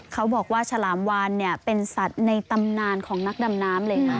เขาบอกว่าฉลามวานเนี่ยเป็นสัตว์ในตำนานของนักดำน้ำเลยค่ะ